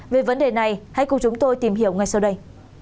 về vấn đề này hãy cùng chúng tôi tìm hiểu ngay sau đây